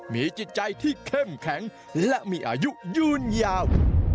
มีจิตใจที่เข้มแข็งและมีอายุยืนยาว